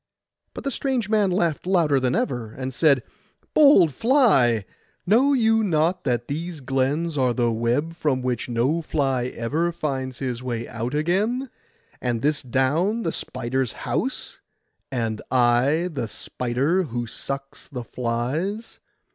But the strange man laughed louder than ever, and said— 'Bold fly, know you not that these glens are the web from which no fly ever finds his way out again, and this down the spider's house, and I the spider who sucks the flies?